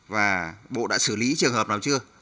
và bộ đã xử lý trường hợp nào chưa